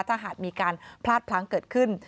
ถ้าหากมีการพลาดพลั้งเกิดขึ้น